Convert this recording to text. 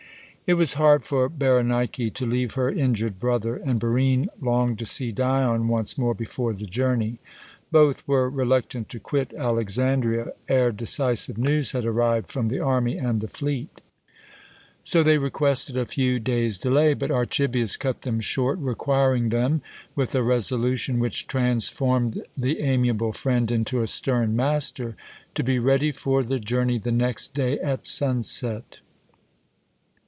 It was hard for Berenike to leave her injured brother, and Barine longed to see Dion once more before the journey. Both were reluctant to quit Alexandria ere decisive news had arrived from the army and the fleet. So they requested a few days' delay; but Archibius cut them short, requiring them, with a resolution which transformed the amiable friend into a stern master, to be ready for the journey the next day at sunset.